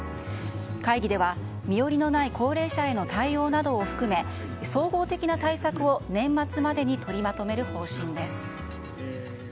会議では身寄りのない高齢者への対応などを含め総合的な対策を年末までに取りまとめる方針です。